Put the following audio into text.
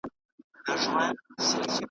ما پلونه د اغیار دي پر کوڅه د یار لیدلي .